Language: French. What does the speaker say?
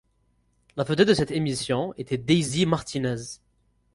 La vedette de cette émission était Daisy Martínez.